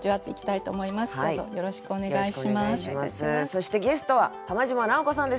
そしてゲストは浜島直子さんです。